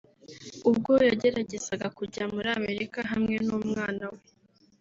ubwo yageragezaga kujya muri Amerika hamwe n’umwana we